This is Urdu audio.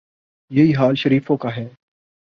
یہی حال شریفوں کا ہے۔